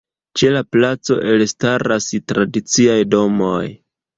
Ĉe la placo elstaras tradiciaj domoj.